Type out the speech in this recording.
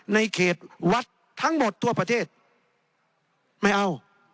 ในเขตวัดทั้งหมดทั่วประเทศไม่เอา